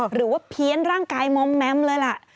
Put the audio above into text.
หรือว่าเพี้ยนร่างกายมอมแมมเลยล่ะ